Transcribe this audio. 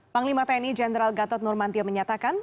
panglima tni jenderal gatot nurmantio menyatakan